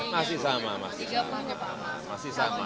masih sama masih sama